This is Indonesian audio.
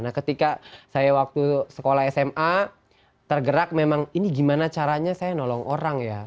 nah ketika saya waktu sekolah sma tergerak memang ini gimana caranya saya nolong orang ya